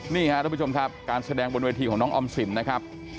นี่ครับทุกผู้ชมครับการแสดงบนเวทีของน้องออมสินนะครับ